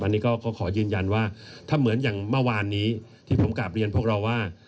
อันนี้ก็ขอยืนยันว่าถ้าเหมือนอย่างเมื่อวานนี้ที่ผมกลับเรียนพวกเราว่า